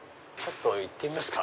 行ってみますか。